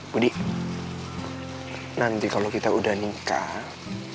budi nanti kalau kita udah nikah